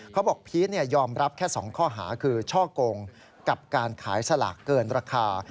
พีชยอมรับแค่๒ข้อหาคือช่อกงกับการขายสลากเกินราคา